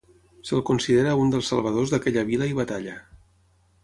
Se'l considera un dels salvadors d'aquella vila i batalla.